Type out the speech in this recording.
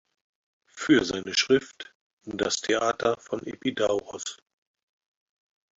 Für seine Schrift "Das Theater von Epidauros.